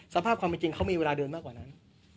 สภาพความเป็นจริงเขามีเวลาเดินมากกว่านั้น